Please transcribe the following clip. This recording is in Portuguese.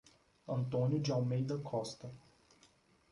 Antônio de Almeida Costa